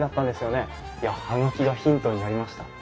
いや葉書がヒントになりました。